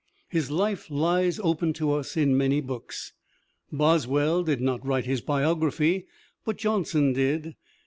His life lies open to us in many books. Boswell did not write his biography, but Johnson did.